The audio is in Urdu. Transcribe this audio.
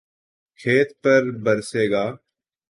کھیت پر برسے گا